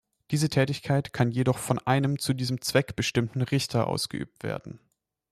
Diese Tätigkeit kann jedoch von einem zu diesem Zweck bestimmten Richter ausgeübt werden.